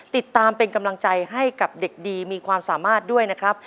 ติดตามเป็นกำลังใจให้กับเด็กดีมีความสามารถด้วยนะครับ